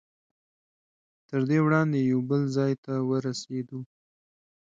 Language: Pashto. تر دې وړاندې یو بل ځای ته ورسېدو.